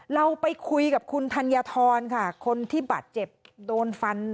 เราไปคุยกับคุณธัญฑรค่ะคนที่บาดเจ็บโดนฟัน